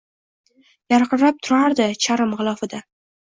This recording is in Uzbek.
Yarqirab turardi charm g’ilofida.